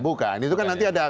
bukan itu kan nanti ada